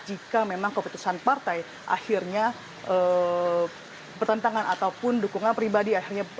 jika memang keputusan partai akhirnya bertentangan ataupun dukungan pribadi akhirnya